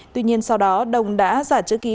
tuy nhiên sau đó đồng đã giả chữ ký